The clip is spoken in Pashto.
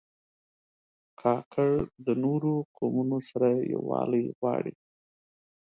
کاکړ د نورو قومونو سره یووالی غواړي.